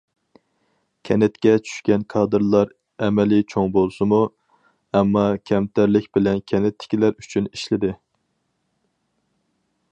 كەنتكە چۈشكەن كادىرلار ئەمىلى چوڭ بولسىمۇ، ئەمما كەمتەرلىك بىلەن كەنتتىكىلەر ئۈچۈن ئىشلىدى.